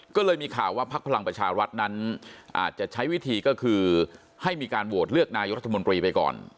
ก็เลยมีข่าวว่าพักพลังประชารัฐนั้นอาจจะใช้วิธีก็คือให้มีการโหวตเลือกนายกรัฐมนตรีไปก่อน